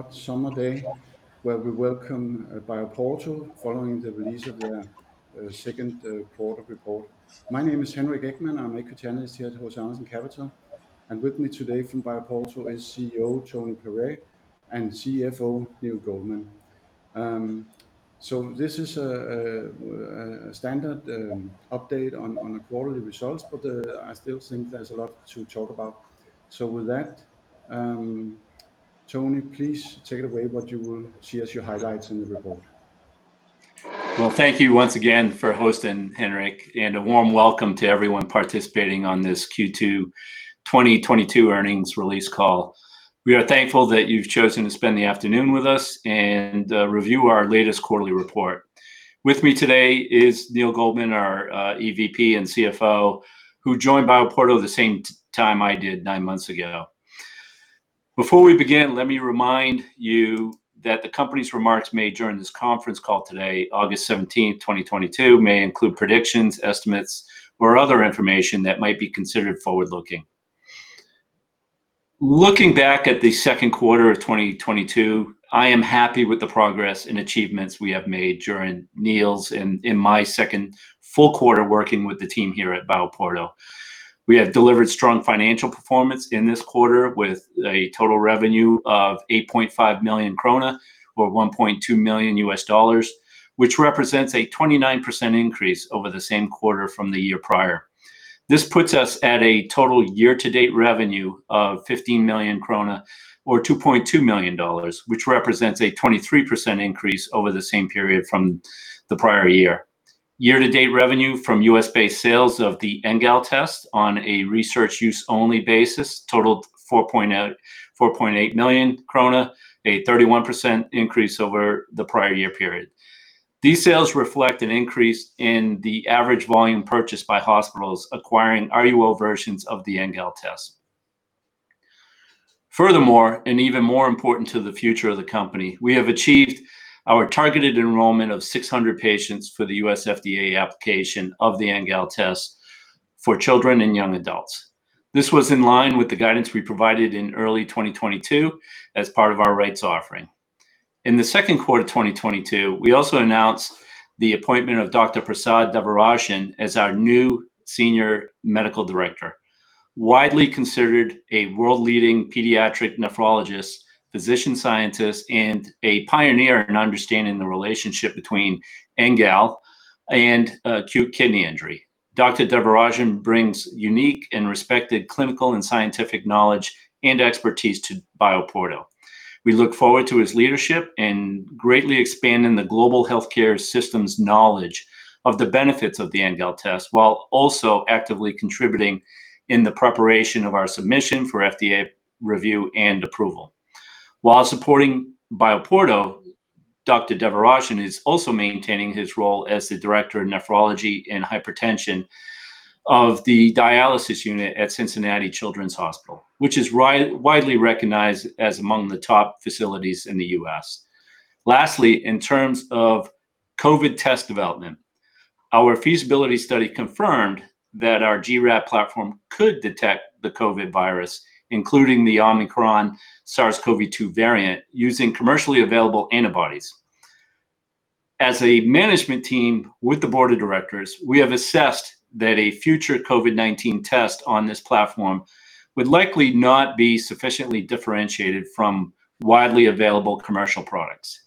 Hot summer day where we welcome BioPorto following the release of their second quarter report. My name is Henrik Ekman. I'm Equity Analyst here at HC Andersen Capital, and with me today from BioPorto is CEO Anthony Pare and CFO Neil Goldman. This is a standard update on the quarterly results, but I still think there's a lot to talk about. With that, Anthony, please take it away what you will see as your highlights in the report. Well, thank you once again for hosting, Henrik, and a warm welcome to everyone participating on this Q2 2022 earnings release call. We are thankful that you've chosen to spend the afternoon with us and review our latest quarterly report. With me today is Neil Goldman, our EVP and CFO, who joined BioPorto the same time I did nine months ago. Before we begin, let me remind you that the company's remarks made during this conference call today, August 17, 2022, may include predictions, estimates, or other information that might be considered forward-looking. Looking back at the second quarter of 2022, I am happy with the progress and achievements we have made during Neil's and my second full quarter working with the team here at BioPorto. We have delivered strong financial performance in this quarter with a total revenue of 8.5 million krone or $1.2 million, which represents a 29% increase over the same quarter from the year prior. This puts us at a total year-to-date revenue of 15 million krone or $2.2 million, which represents a 23% increase over the same period from the prior year. Year-to-date revenue from US-based sales of the NGAL Test on a research use only basis totaled 4.8 million krone, a 31% increase over the prior year period. These sales reflect an increase in the average volume purchased by hospitals acquiring RUO versions of the NGAL test. Furthermore, even more important to the future of the company, we have achieved our targeted enrollment of 600 patients for the U.S. FDA application of the NGAL test for children and young adults. This was in line with the guidance we provided in early 2022 as part of our rights offering. In the second quarter of 2022, we also announced the appointment of Dr. Prasad Devarajan as our new Senior Medical Director, widely considered a world-leading pediatric nephrologist, physician scientist, and a pioneer in understanding the relationship between NGAL and acute kidney injury. Dr. Devarajan brings unique and respected clinical and scientific knowledge and expertise to BioPorto. We look forward to his leadership in greatly expanding the global healthcare system's knowledge of the benefits of the NGAL test, while also actively contributing in the preparation of our submission for FDA review and approval. While supporting BioPorto, Dr. Devarajan is also maintaining his role as the director of nephrology and hypertension of the dialysis unit at Cincinnati Children's Hospital, which is widely recognized as among the top facilities in the U.S. Lastly, in terms of COVID test development, our feasibility study confirmed that our gRAD platform could detect the COVID virus, including the Omicron SARS-CoV-2 variant, using commercially available antibodies. As a management team with the board of directors, we have assessed that a future COVID-19 test on this platform would likely not be sufficiently differentiated from widely available commercial products.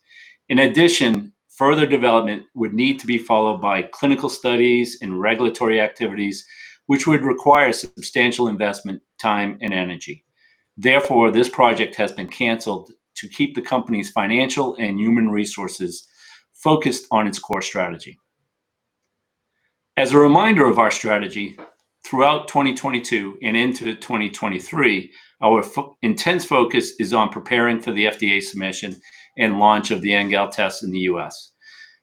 In addition, further development would need to be followed by clinical studies and regulatory activities, which would require substantial investment, time, and energy. Therefore, this project has been canceled to keep the company's financial and human resources focused on its core strategy. As a reminder of our strategy, throughout 2022 and into 2023, our intense focus is on preparing for the FDA submission and launch of the NGAL test in the U.S.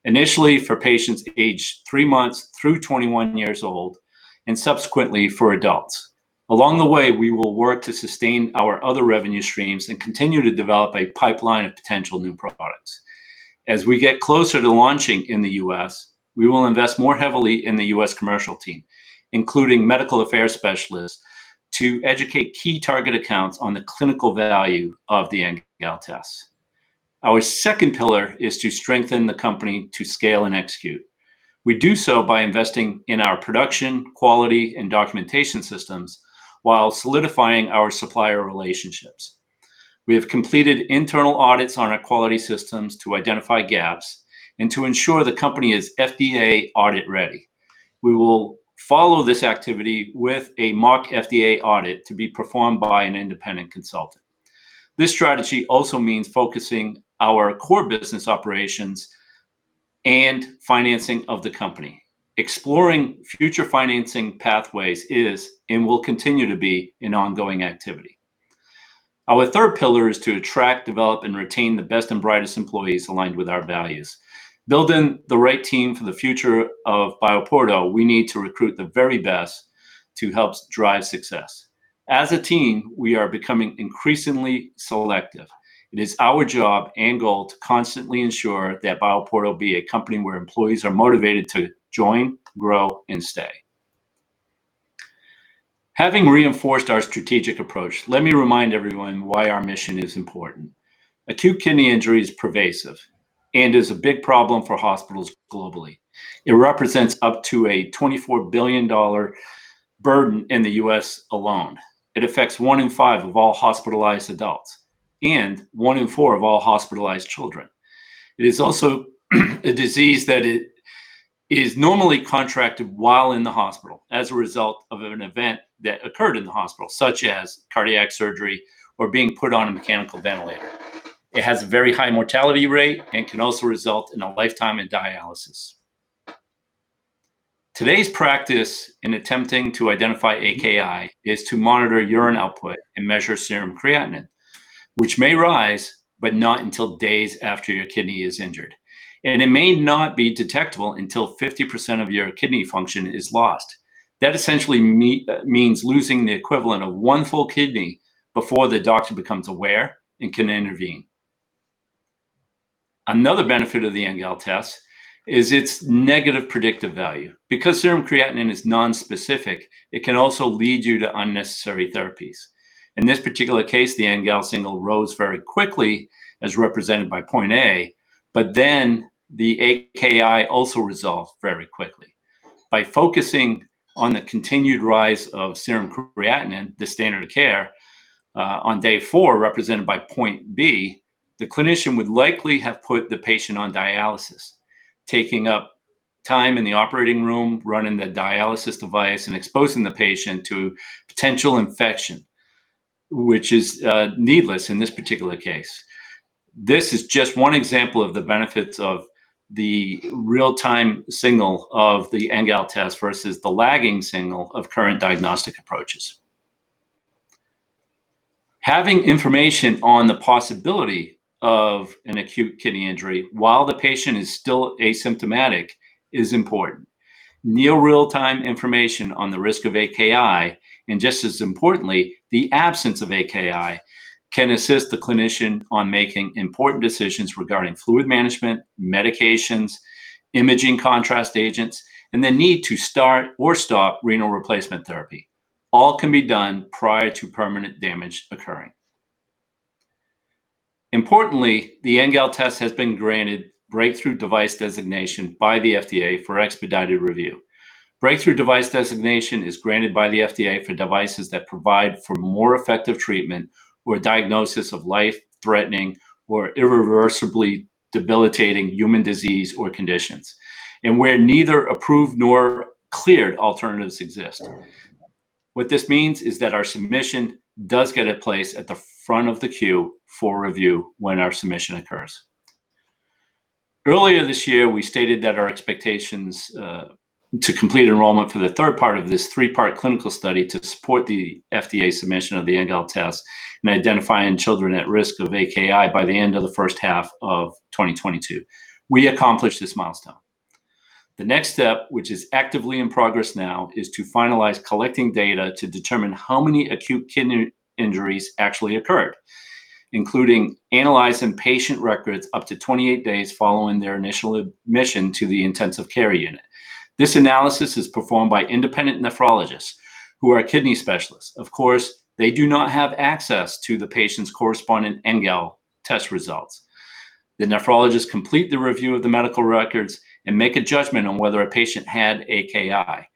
Initially for patients aged three months through 21 years old, and subsequently for adults. Along the way, we will work to sustain our other revenue streams and continue to develop a pipeline of potential new products. As we get closer to launching in the U.S., we will invest more heavily in the U.S. commercial team, including medical affairs specialists, to educate key target accounts on the clinical value of the NGAL test. Our second pillar is to strengthen the company to scale and execute. We do so by investing in our production, quality, and documentation systems while solidifying our supplier relationships. We have completed internal audits on our quality systems to identify gaps and to ensure the company is FDA audit ready. We will follow this activity with a mock FDA audit to be performed by an independent consultant. This strategy also means focusing our core business operations and financing of the company. Exploring future financing pathways is and will continue to be an ongoing activity. Our third pillar is to attract, develop, and retain the best and brightest employees aligned with our values. Building the right team for the future of BioPorto, we need to recruit the very best to help drive success. As a team, we are becoming increasingly selective. It is our job and goal to constantly ensure that BioPorto will be a company where employees are motivated to join, grow, and stay. Having reinforced our strategic approach, let me remind everyone why our mission is important. Acute kidney injury is pervasive and is a big problem for hospitals globally. It represents up to a $24 billion burden in the U.S. alone. It affects one in five of all hospitalized adults and one in four of all hospitalized children. It is also a disease that it is normally contracted while in the hospital as a result of an event that occurred in the hospital, such as cardiac surgery or being put on a mechanical ventilator. It has a very high mortality rate and can also result in a lifetime in dialysis. Today's practice in attempting to identify AKI is to monitor urine output and measure serum creatinine, which may rise, but not until days after your kidney is injured. It may not be detectable until 50% of your kidney function is lost. That essentially means losing the equivalent of one full kidney before the doctor becomes aware and can intervene. Another benefit of the NGAL test is its negative predictive value. Because serum creatinine is nonspecific, it can also lead you to unnecessary therapies. In this particular case, the NGAL signal rose very quickly, as represented by point A, but then the AKI also resolved very quickly. By focusing on the continued rise of serum creatinine, the standard of care, on day four, represented by point B, the clinician would likely have put the patient on dialysis, taking up time in the operating room, running the dialysis device, and exposing the patient to potential infection, which is needless in this particular case. This is just one example of the benefits of the real-time signal of the NGAL test versus the lagging signal of current diagnostic approaches. Having information on the possibility of an acute kidney injury while the patient is still asymptomatic is important. Near real-time information on the risk of AKI, and just as importantly, the absence of AKI, can assist the clinician on making important decisions regarding fluid management, medications, imaging contrast agents, and the need to start or stop renal replacement therapy. All can be done prior to permanent damage occurring. Importantly, the NGAL test has been granted breakthrough device designation by the FDA for expedited review. Breakthrough device designation is granted by the FDA for devices that provide for more effective treatment or diagnosis of life-threatening or irreversibly debilitating human disease or conditions, and where neither approved nor cleared alternatives exist. What this means is that our submission does get a place at the front of the queue for review when our submission occurs. Earlier this year, we stated that our expectations to complete enrollment for the third part of this three-part clinical study to support the FDA submission of the NGAL Test in identifying children at risk of AKI by the end of the first half of 2022. We accomplished this milestone. The next step, which is actively in progress now, is to finalize collecting data to determine how many acute kidney injuries actually occurred, including analyzing patient records up to 28 days following their initial admission to the intensive care unit. This analysis is performed by independent nephrologists, who are kidney specialists. Of course, they do not have access to the patient's corresponding NGAL Test results. The nephrologists complete the review of the medical records and make a judgment on whether a patient had AKI.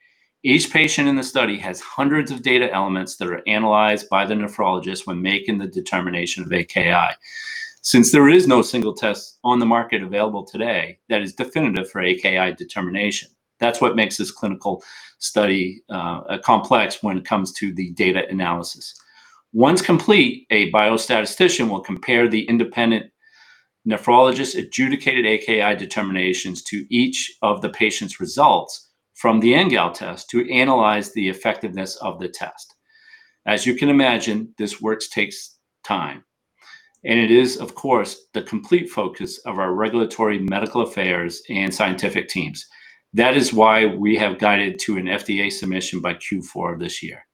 Each patient in the study has hundreds of data elements that are analyzed by the nephrologist when making the determination of AKI. Since there is no single test on the market available today that is definitive for AKI determination, that's what makes this clinical study complex when it comes to the data analysis. Once complete, a biostatistician will compare the independent nephrologist's adjudicated AKI determinations to each of the patient's results from the NGAL test to analyze the effectiveness of the test. As you can imagine, this work takes time, and it is, of course, the complete focus of our regulatory medical affairs and scientific teams. That is why we have guided to an FDA submission by Q4 of this year.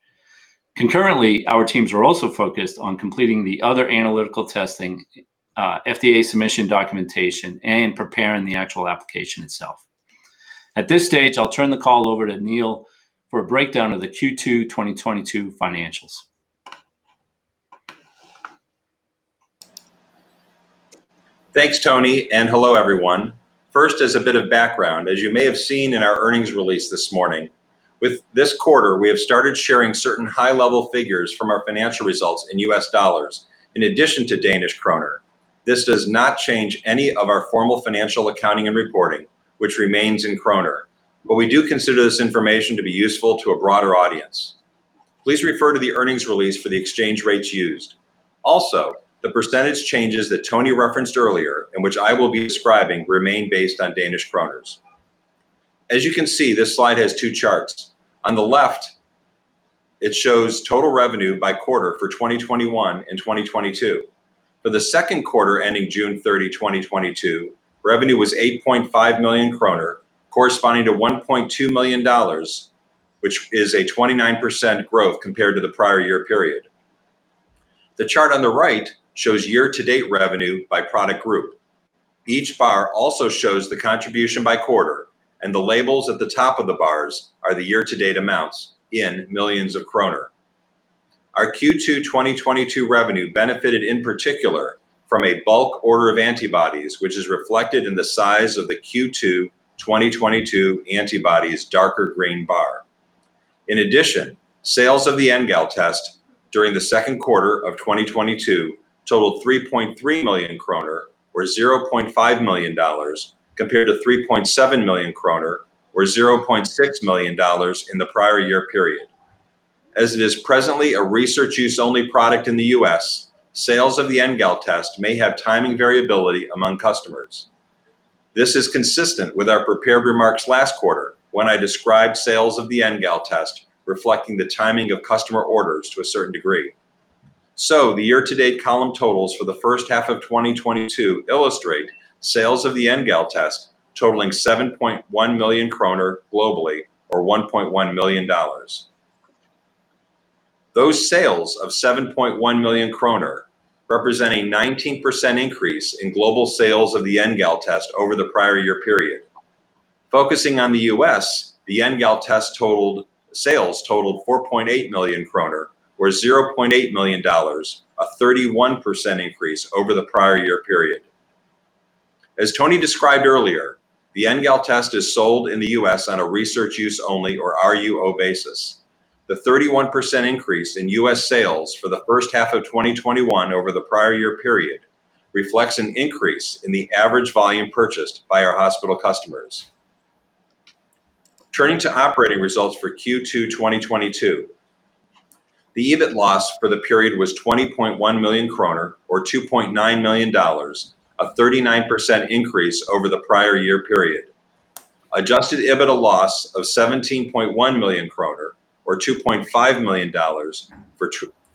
Concurrently, our teams are also focused on completing the other analytical testing, FDA submission documentation, and preparing the actual application itself. At this stage, I'll turn the call over to Neil for a breakdown of the Q2 2022 financials. Thanks, Tony, and hello, everyone. First, as a bit of background, as you may have seen in our earnings release this morning, with this quarter, we have started sharing certain high-level figures from our financial results in US dollars in addition to Danish kroner. This does not change any of our formal financial accounting and reporting, which remains in kroner, but we do consider this information to be useful to a broader audience. Please refer to the earnings release for the exchange rates used. Also, the percentage changes that Tony referenced earlier, and which I will be describing, remain based on Danish kroners. As you can see, this slide has two charts. On the left, it shows total revenue by quarter for 2021 and 2022. For the second quarter ending June 30, 2022, revenue was 8.5 million kroner, corresponding to $1.2 million, which is a 29% growth compared to the prior year period. The chart on the right shows year-to-date revenue by product group. Each bar also shows the contribution by quarter, and the labels at the top of the bars are the year-to-date amounts in millions kroner. Our Q2 2022 revenue benefited in particular from a bulk order of antibodies, which is reflected in the size of the Q2 2022 antibodies' darker green bar. In addition, sales of the NGAL Test during the second quarter of 2022 totaled 3.3 million kroner, or $0.5 million, compared to 3.7 million kroner, or $0.6 million in the prior year period. As it is presently a research use only product in the US, sales of the NGAL Test may have timing variability among customers. This is consistent with our prepared remarks last quarter when I described sales of the NGAL Test reflecting the timing of customer orders to a certain degree. The year-to-date column totals for the first half of 2022 illustrate sales of the NGAL Test totaling 7.1 million kroner globally, or $1.1 million. Those sales of 7.1 million kroner represent a 19% increase in global sales of the NGAL Test over the prior year period. Focusing on the US, sales totaled 4.8 million kroner, or $0.8 million, a 31% increase over the prior year period. As Tony described earlier, the NGAL Test is sold in the U.S. on a research-use-only, or RUO, basis. The 31% increase in U.S. sales for the first half of 2021 over the prior year period reflects an increase in the average volume purchased by our hospital customers. Turning to operating results for Q2 2022, the EBIT loss for the period was 20.1 million kroner, or $2.9 million, a 39% increase over the prior year period. Adjusted EBITDA loss of 17.1 million kroner, or $2.5 million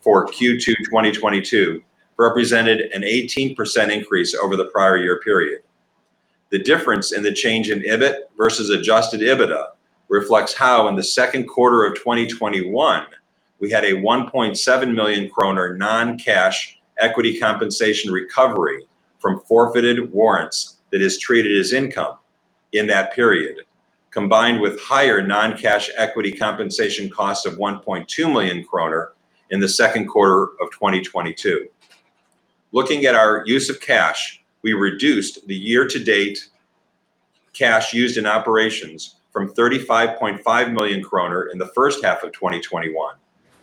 for Q2 2022, represented an 18% increase over the prior year period. The difference in the change in EBIT versus adjusted EBITDA reflects how in the second quarter of 2021 we had a 1.7 million kroner non-cash equity compensation recovery from forfeited warrants that is treated as income in that period, combined with higher non-cash equity compensation costs of 1.2 million kroner in the second quarter of 2022. Looking at our use of cash, we reduced the year-to-date cash used in operations from 35.5 million kroner in the first half of 2021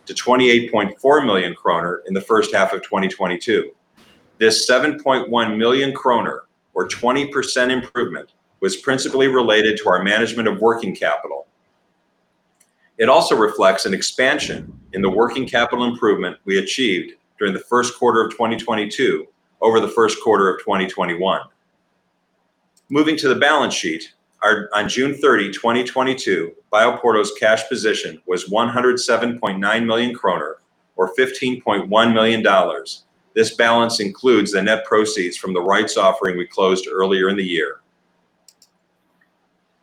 to 28.4 million kroner in the first half of 2022. This 7.1 million kroner, or 20% improvement, was principally related to our management of working capital. It also reflects an expansion in the working capital improvement we achieved during the first quarter of 2022 over the first quarter of 2021. Moving to the balance sheet, as of June 30, 2022, BioPorto's cash position was 107.9 million kroner, or $15.1 million. This balance includes the net proceeds from the rights offering we closed earlier in the year.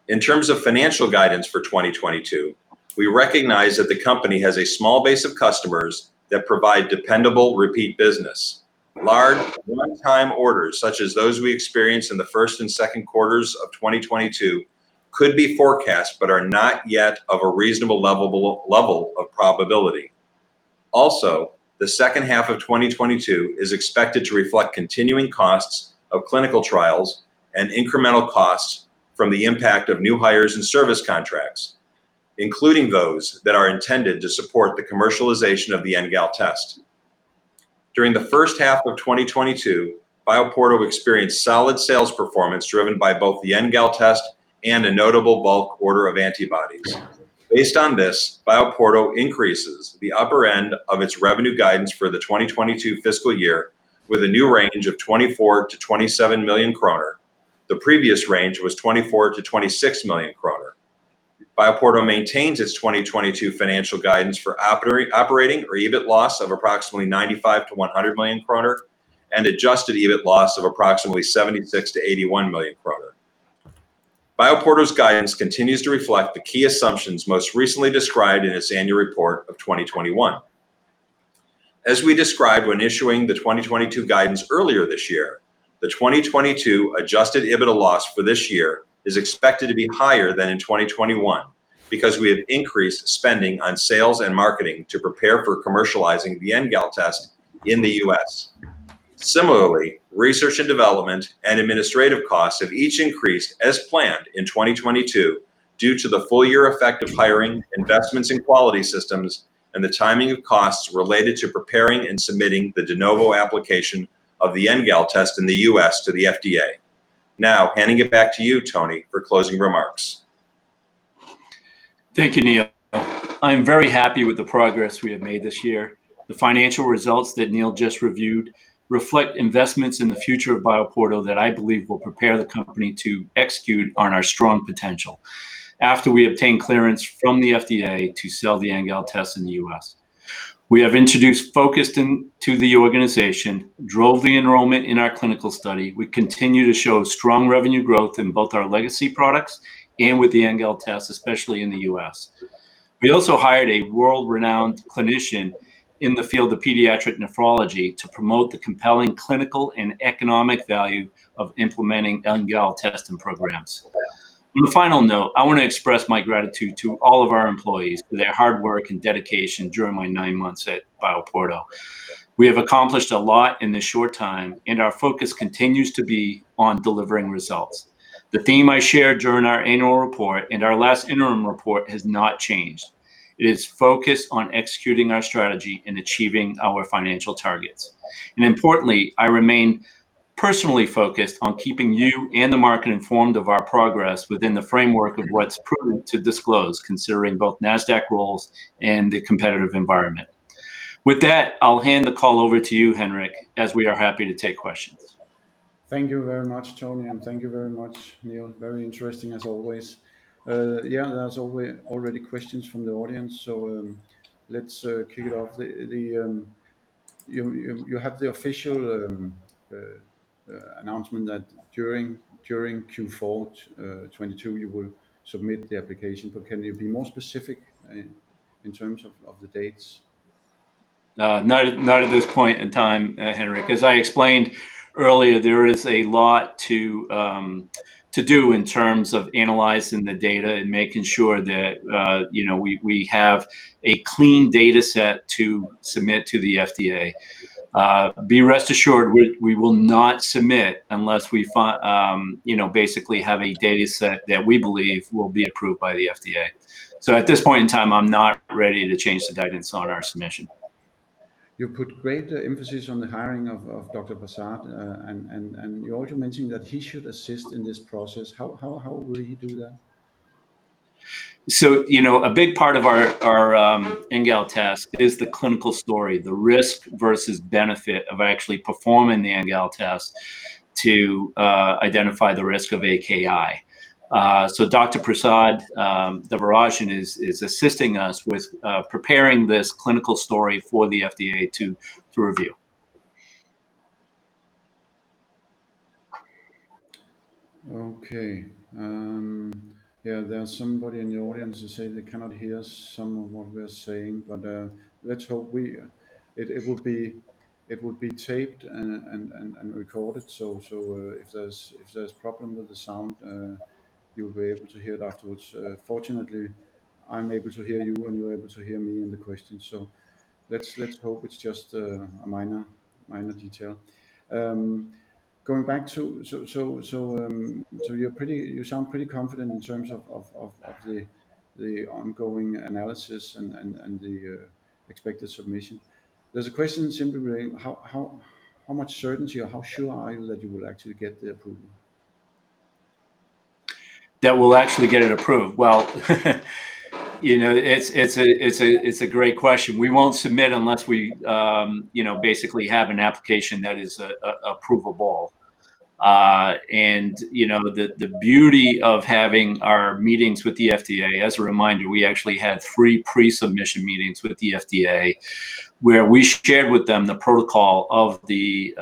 In terms of financial guidance for 2022, we recognize that the company has a small base of customers that provide dependable repeat business. Large one-time orders, such as those we experienced in the first and second quarters of 2022, could be forecast but are not yet of a reasonable level of probability. The second half of 2022 is expected to reflect continuing costs of clinical trials and incremental costs from the impact of new hires and service contracts, including those that are intended to support the commercialization of the NGAL Test. During the first half of 2022, BioPorto experienced solid sales performance driven by both the NGAL Test and a notable bulk order of antibodies. Based on this, BioPorto increases the upper end of its revenue guidance for the 2022 fiscal year with a new range of 24 million-27 million kroner. The previous range was 24 million-26 million kroner. BioPorto maintains its 2022 financial guidance for operating or EBIT loss of approximately 95 million-100 million kroner and adjusted EBIT loss of approximately 76 million-81 million kroner. BioPorto's guidance continues to reflect the key assumptions most recently described in its annual report of 2021. As we described when issuing the 2022 guidance earlier this year, the 2022 adjusted EBITDA loss for this year is expected to be higher than in 2021 because we have increased spending on sales and marketing to prepare for commercializing the NGAL Test in the U.S. Similarly, research and development and administrative costs have each increased as planned in 2022 due to the full year effect of hiring, investments in quality systems, and the timing of costs related to preparing and submitting the de novo application of the NGAL Test in the U.S. to the FDA. Now, handing it back to you, Tony, for closing remarks. Thank you, Neil. I am very happy with the progress we have made this year. The financial results that Neil just reviewed reflect investments in the future of BioPorto that I believe will prepare the company to execute on our strong potential after we obtain clearance from the FDA to sell the NGAL Test in the U.S. We have introduced focus to the organization, drove the enrollment in our clinical study. We continue to show strong revenue growth in both our legacy products and with the NGAL Test, especially in the U.S. We also hired a world-renowned clinician in the field of pediatric nephrology to promote the compelling clinical and economic value of implementing NGAL testing programs. On a final note, I want to express my gratitude to all of our employees for their hard work and dedication during my nine months at BioPorto. We have accomplished a lot in this short time, and our focus continues to be on delivering results. The theme I shared during our annual report and our last interim report has not changed. It is focused on executing our strategy and achieving our financial targets. Importantly, I remain personally focused on keeping you and the market informed of our progress within the framework of what's prudent to disclose, considering both Nasdaq rules and the competitive environment. With that, I'll hand the call over to you, Henrik, as we are happy to take questions. Thank you very much, Tony, and thank you very much, Neil. Very interesting as always. Yeah, there's already questions from the audience, so let's kick it off. You have the official announcement that during Q4 2022 you will submit the application. Can you be more specific in terms of the dates? Not at this point in time, Henrik. As I explained earlier, there is a lot to do in terms of analyzing the data and making sure that, you know, we have a clean data set to submit to the FDA. Rest assured, we will not submit unless we, you know, basically have a data set that we believe will be approved by the FDA. At this point in time, I'm not ready to change the guidance on our submission. You put great emphasis on the hiring of Dr. Prasad, and you also mentioned that he should assist in this process. How will he do that? You know, a big part of our NGAL test is the clinical story, the risk versus benefit of actually performing the NGAL test to identify the risk of AKI. Dr. Prasad Devarajan is assisting us with preparing this clinical story for the FDA to review. Okay. Yeah, there's somebody in the audience who say they cannot hear some of what we're saying, but let's hope it will be taped and recorded. If there's problem with the sound, you'll be able to hear it afterwards. Fortunately, I'm able to hear you, and you're able to hear me and the question. Let's hope it's just a minor detail. Going back to, you're pretty confident in terms of the ongoing analysis and the expected submission. There's a question simply reading how much certainty or how sure are you that you will actually get the approval? That we'll actually get it approved? Well, you know, it's a great question. We won't submit unless we you know basically have an application that is approvable. You know, the beauty of having our meetings with the FDA, as a reminder, we actually had three pre-submission meetings with the FDA where we shared with them the protocol of the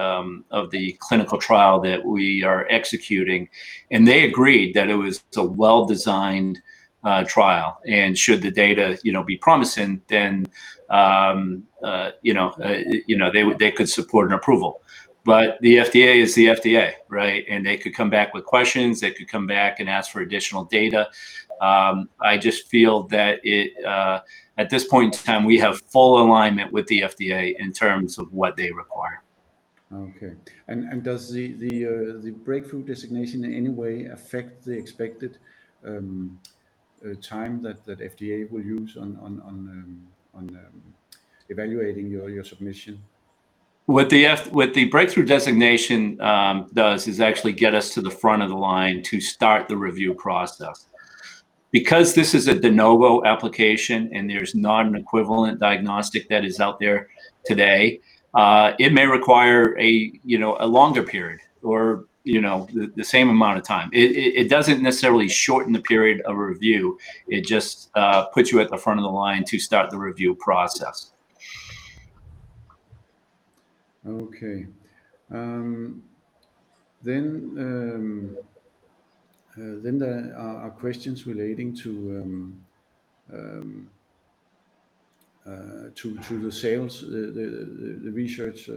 clinical trial that we are executing. They agreed that it was a well-designed trial, and should the data you know be promising, then they could support an approval. The FDA is the FDA, right? They could come back with questions. They could come back and ask for additional data. I just feel that it at this point in time we have full alignment with the FDA in terms of what they require. Okay. Does the Breakthrough designation in any way affect the expected time that FDA will use on evaluating your submission? What the Breakthrough Device Designation does is actually get us to the front of the line to start the review process. Because this is a De Novo application and there's not an equivalent diagnostic that is out there today, it may require, you know, a longer period or, you know, the same amount of time. It doesn't necessarily shorten the period of review. It just puts you at the front of the line to start the review process. Okay. There are questions relating to the sales, the research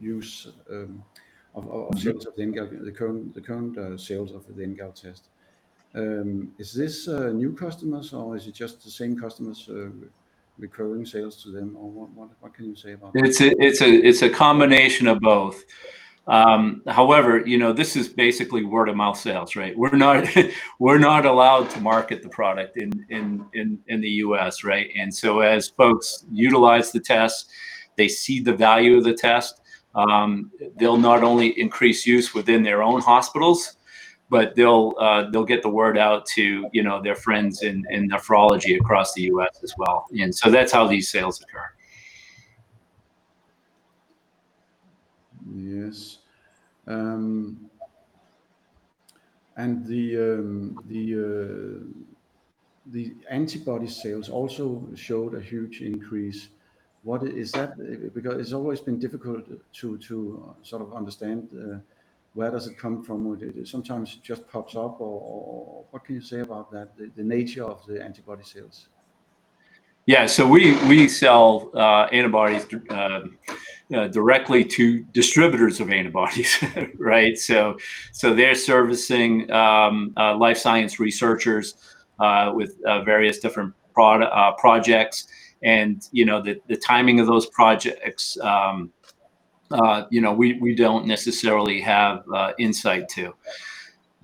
use of sales of the NGAL, the current sales of the NGAL test. Is this new customers, or is it just the same customers, recurring sales to them, or what can you say about that? It's a combination of both. However, you know, this is basically word-of-mouth sales, right? We're not allowed to market the product in the U.S., right? As folks utilize the test, they see the value of the test, they'll not only increase use within their own hospitals, but they'll get the word out to, you know, their friends in nephrology across the U.S. as well. That's how these sales occur. Yes. The antibody sales also showed a huge increase. What is that? Because it's always been difficult to sort of understand where does it come from. It sometimes just pops up, or what can you say about that, the nature of the antibody sales? Yeah. We sell antibodies directly to distributors of antibodies, right? They're servicing life science researchers with various different projects and, you know, the timing of those projects, you know, we don't necessarily have insight to.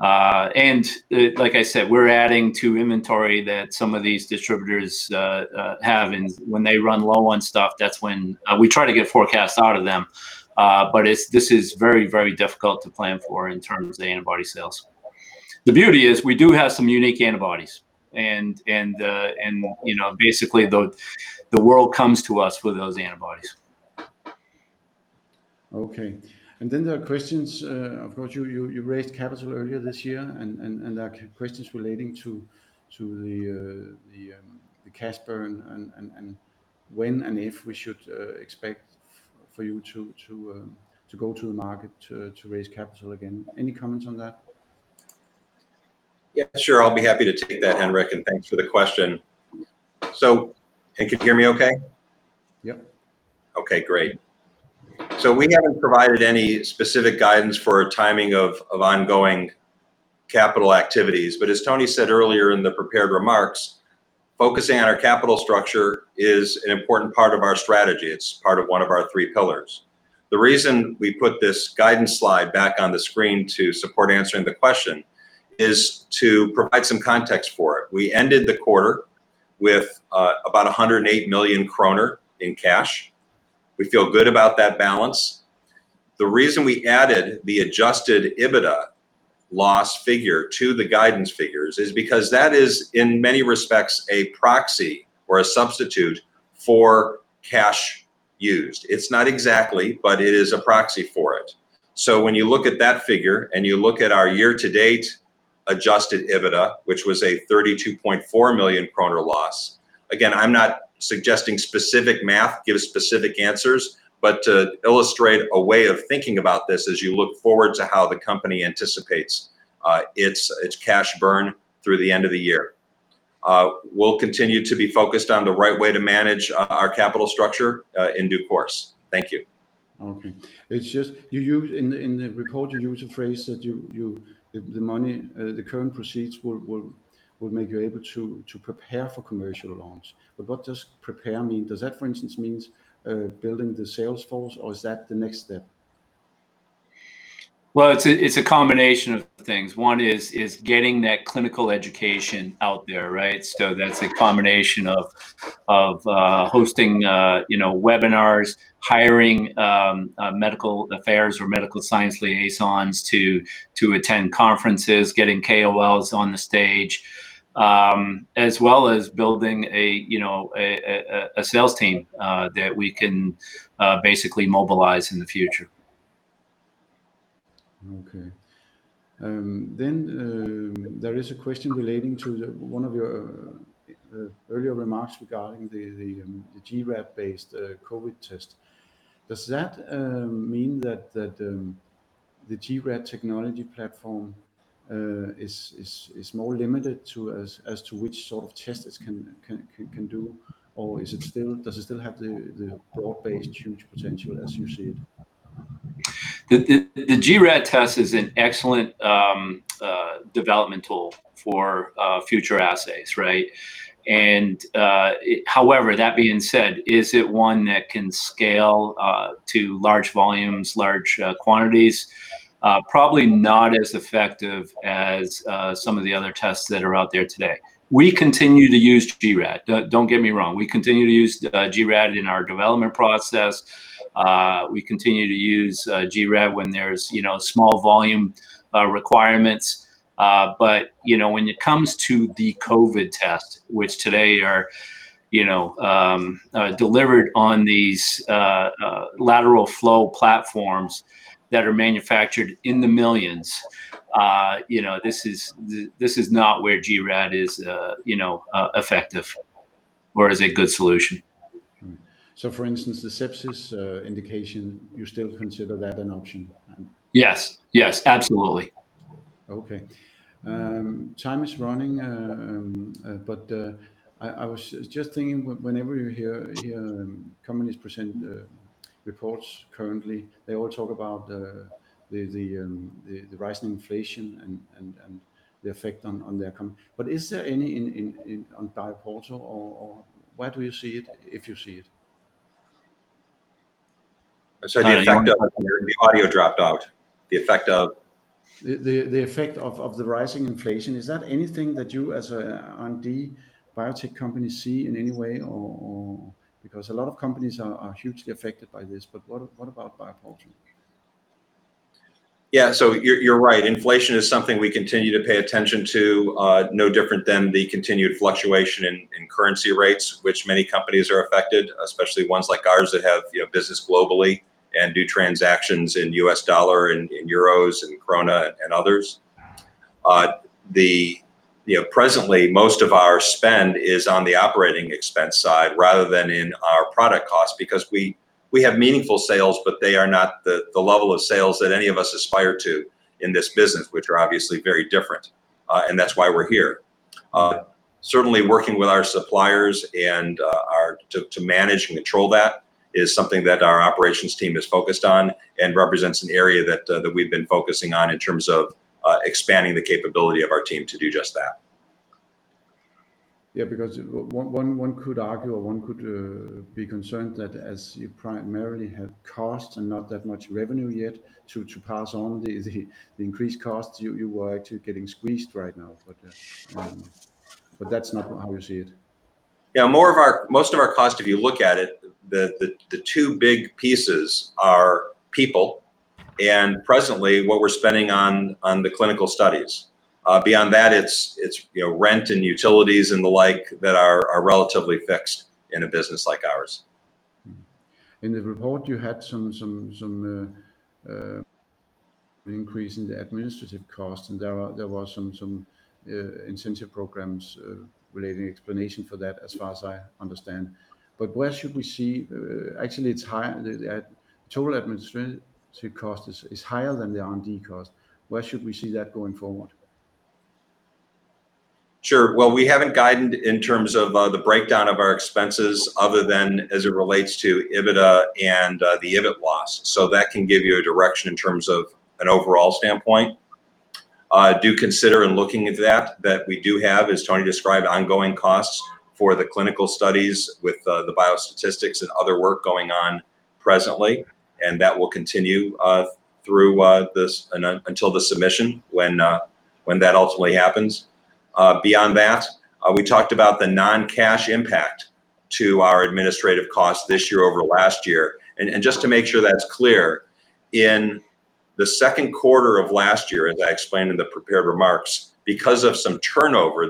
Like I said, we're adding to inventory that some of these distributors have, and when they run low on stuff, that's when we try to get forecasts out of them, but this is very, very difficult to plan for in terms of the antibody sales. The beauty is we do have some unique antibodies and, you know, basically the world comes to us for those antibodies. Okay. There are questions, of course, you raised capital earlier this year and there are questions relating to the cash burn and when and if we should expect for you to go to the market to raise capital again. Any comments on that? Yeah, sure. I'll be happy to take that, Henrik, and thanks for the question. Can you hear me okay? Yep. Okay, great. We haven't provided any specific guidance for timing of ongoing capital activities, but as Tony said earlier in the prepared remarks, focusing on our capital structure is an important part of our strategy. It's part of one of our three pillars. The reason we put this guidance slide back on the screen to support answering the question is to provide some context for it. We ended the quarter with about 108 million kroner in cash. We feel good about that balance. The reason we added the adjusted EBITDA loss figure to the guidance figures is because that is, in many respects, a proxy or a substitute for cash used. It's not exactly, but it is a proxy for it. When you look at that figure and you look at our year to date adjusted EBITDA, which was a 32.4 million kroner loss, again, I'm not suggesting specific math gives specific answers, but to illustrate a way of thinking about this as you look forward to how the company anticipates its cash burn through the end of the year. We'll continue to be focused on the right way to manage our capital structure in due course. Thank you. Okay. It's just you use in the report you use a phrase that you the money the current proceeds will make you able to prepare for commercial launch. What does prepare mean? Does that, for instance, means building the sales force, or is that the next step? Well, it's a combination of things. One is getting that clinical education out there, right? That's a combination of hosting, you know, webinars, hiring medical affairs or Medical Science Liaisons to attend conferences, getting KOLs on the stage, as well as building a, you know, sales team that we can basically mobilize in the future. Okay. There is a question relating to one of your earlier remarks regarding the gRAD based COVID test. Does that mean that the gRAD technology platform is more limited as to which sort of tests it can do? Or does it still have the broad-based huge potential as you see it? The gRAD test is an excellent development tool for future assays, right? However, that being said, is it one that can scale to large volumes, large quantities? Probably not as effective as some of the other tests that are out there today. We continue to use gRAD. Don't get me wrong, we continue to use gRAD in our development process. We continue to use gRAD when there's you know small volume requirements. You know, when it comes to the COVID test, which today are you know delivered on these lateral flow platforms that are manufactured in the millions, you know this is not where gRAD is you know effective or is a good solution. For instance, the sepsis indication, you still consider that an option? Yes. Yes, absolutely. Okay. Time is running, but I was just thinking whenever you hear companies present reports currently, they all talk about the rising inflation and the effect, but is there any on BioPorto or where do you see it, if you see it? Sorry, the effect of? The effect of the rising inflation is that anything that you as a R&D biotech company see in any way or. Because a lot of companies are hugely affected by this, but what about BioPorto? Yeah. You're right. Inflation is something we continue to pay attention to, no different than the continued fluctuation in currency rates, which many companies are affected, especially ones like ours that have business globally and do transactions in US dollar, in euros, in krona and others. Presently, most of our spend is on the operating expense side rather than in our product costs because we have meaningful sales, but they are not the level of sales that any of us aspire to. In this business, which are obviously very different, and that's why we're here. Certainly working with our suppliers and to manage and control that is something that our operations team is focused on and represents an area that we've been focusing on in terms of expanding the capability of our team to do just that. Yeah, because one could argue or one could be concerned that as you primarily have costs and not that much revenue yet to pass on the increased costs, you are actually getting squeezed right now. That's not how you see it. Yeah. Most of our costs, if you look at it, the two big pieces are people and presently what we're spending on the clinical studies. Beyond that, it's, you know, rent and utilities and the like that are relatively fixed in a business like ours. In the report you had some increase in the administrative costs, and there were some incentive programs, related explanation for that as far as I understand. The total administrative cost is higher than the R&D cost. Where should we see that going forward? Sure. Well, we haven't guided in terms of the breakdown of our expenses other than as it relates to EBITDA and the EBIT loss. That can give you a direction in terms of an overall standpoint. I do consider in looking at that we do have, as Tony described, ongoing costs for the clinical studies with the biostatistics and other work going on presently, and that will continue through until the submission when that ultimately happens. Beyond that, we talked about the non-cash impact to our administrative costs this year over last year. Just to make sure that's clear, in the second quarter of last year, as I explained in the prepared remarks, because of some turnover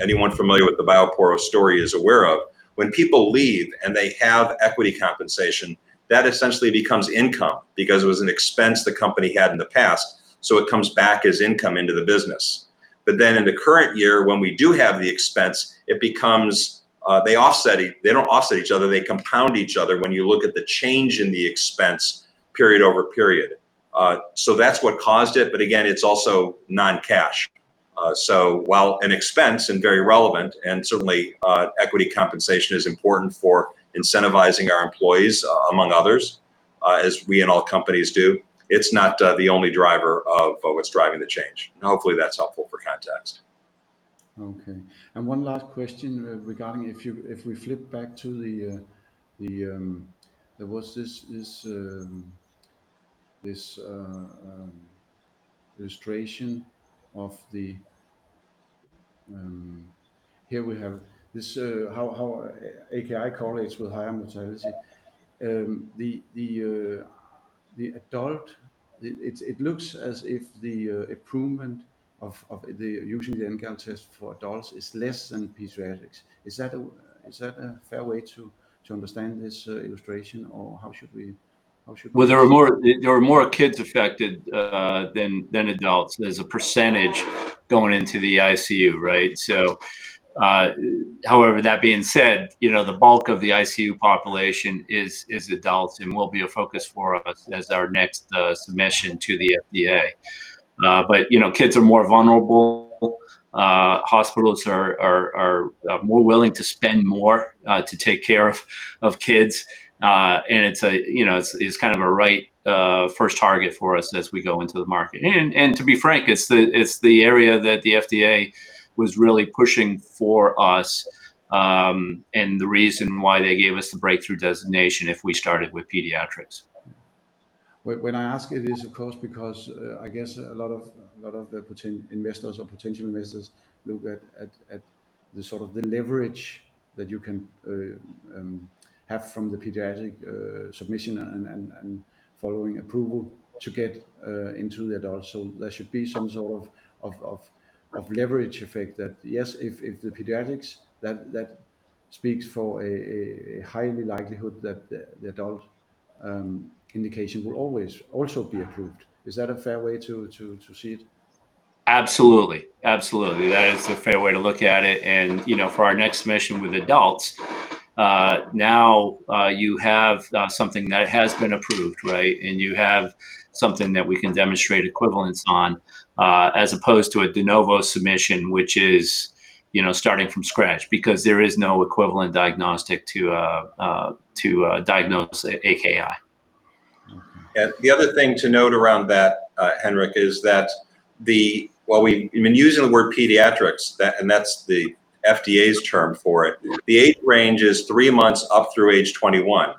anyone familiar with the BioPorto story is aware of, when people leave and they have equity compensation, that essentially becomes income because it was an expense the company had in the past, so it comes back as income into the business. In the current year, when we do have the expense, it becomes they don't offset each other, they compound each other when you look at the change in the expense period-over-period. That's what caused it, but again, it's also non-cash. While an expense and very relevant and certainly, equity compensation is important for incentivizing our employees among others, as we and all companies do, it's not the only driver of what's driving the change. Hopefully that's helpful for context. One last question regarding if we flip back to the. There was this illustration. Here we have this how AKI correlates with higher mortality. The adult it looks as if the improvement of using the NGAL test for adults is less than pediatrics. Is that a fair way to understand this illustration or how should we. Well, there are more kids affected than adults as a percentage going into the ICU, right? However, that being said, you know, the bulk of the ICU population is adults and will be a focus for us as our next submission to the FDA. You know, kids are more vulnerable. Hospitals are more willing to spend more to take care of kids. It's, you know, kind of a right first target for us as we go into the market. To be frank, it's the area that the FDA was really pushing for us, and the reason why they gave us the Breakthrough Designation if we started with pediatrics. When I ask it is of course because I guess a lot of the potential investors look at the sort of the leverage that you can have from the pediatric submission and following approval to get into the adult. There should be some sort of leverage effect that yes, if the pediatrics that speaks for a high likelihood that the adult indication will always also be approved. Is that a fair way to see it? Absolutely. That is a fair way to look at it. You know, for our next submission with adults, now you have something that has been approved, right? You have something that we can demonstrate equivalence on, as opposed to a De Novo submission, which is, you know, starting from scratch because there is no equivalent diagnostic to diagnose AKI. The other thing to note around that, Henrik, is that, I mean, using the word pediatrics, and that's the FDA's term for it, the age range is three months up through age 21.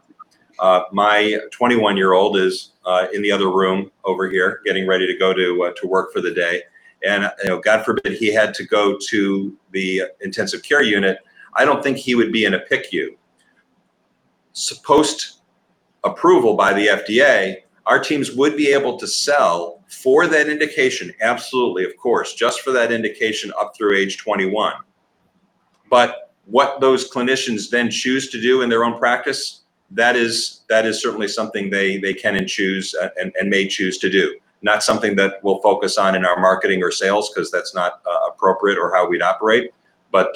My 21-year-old is in the other room over here getting ready to go to work for the day. You know, God forbid he had to go to the intensive care unit, I don't think he would be in a PICU. Post-approval by the FDA, our teams would be able to sell for that indication, absolutely, of course, just for that indication up through age 21. What those clinicians then choose to do in their own practice, that is certainly something they can and choose and may choose to do. Not something that we'll focus on in our marketing or sales because that's not appropriate or how we'd operate, but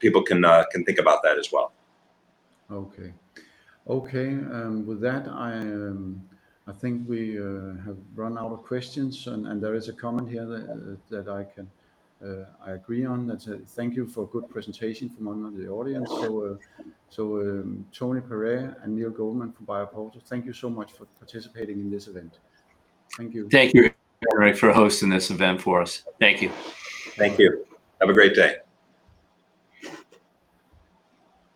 people can think about that as well. With that, I think we have run out of questions and there is a comment here that I can agree on that said, "Thank you for a good presentation from one of the audience." Anthony Pare and Neil Goldman from BioPorto, thank you so much for participating in this event. Thank you. Thank you, Henrik, for hosting this event for us. Thank you. Thank you. Have a great day.